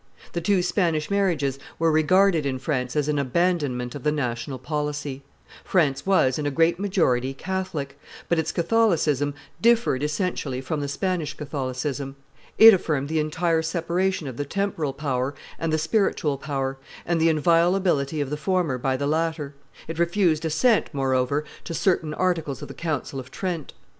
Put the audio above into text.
The two Spanish marriages were regarded in France as an abandonment of the national policy; France was, in a great majority, Catholic, but its Catholicism differed essentially from the Spanish Catholicism: it affirmed the entire separation of the temporal power and the spiritual power, and the inviolability of the former by the latter; it refused assent, moreover, to certain articles of the council of Trent.